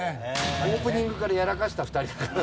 オープニングからやらかした２人だから。